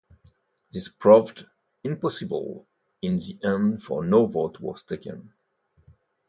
This proved impossible in the end for no vote was taken.